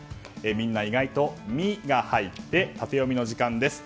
みんな意外との「ミ」が入ってタテヨミの時間です。